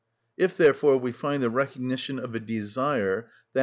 If, therefore, we find the recognition of a desire, _i.